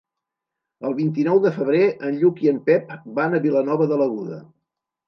El vint-i-nou de febrer en Lluc i en Pep van a Vilanova de l'Aguda.